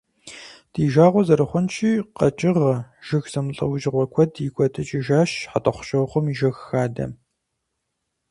Ди жагъуэ зэрыхъунщи, къэкӀыгъэ, жыг зэмылӀэужьыгъуэ куэд икӀуэдыкӀыжащ ХьэтӀохъущокъуэм и жыг хадэм.